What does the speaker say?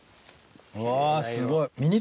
うわすごい。